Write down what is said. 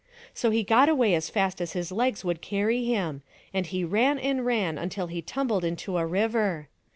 So he got away as fast as his legs would carry him, and he ran and ran until he tumbled into a river.